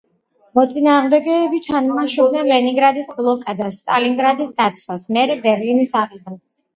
მოწინააღმდეგეები თამაშობენ „ლენინგრადის ბლოკადას“, „სტალინგრადის დაცვას“, მერე „ბერლინის აღებას“.